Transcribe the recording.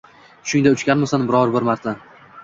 Tushingda uchganmisan biror bir marta?